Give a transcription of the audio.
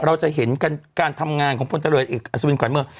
เราจะเห็นการทำงานของพลตรวจเอกอัศวินขวัญเมือง